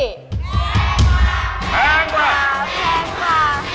แพงกว่าแพงกว่า